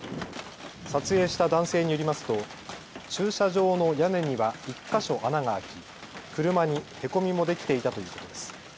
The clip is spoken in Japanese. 撮影した男性によりますと駐車場の屋根には１か所穴が開き車にへこみもできていたということです。